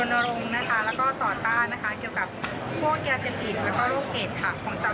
น้องแต้วก็จะทำงานเกี่ยวกับในหน่วยงานรัฐกาลค่ะ